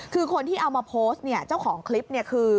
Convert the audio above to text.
คือคนที่เอามาโพสต์เนี่ยเจ้าของคลิปเนี่ยคือ